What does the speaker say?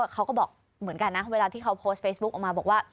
เขาก็บอกเหมือนกันนะเวลาที่เขาโพสต์เฟซบุ๊กออกมาบอกว่า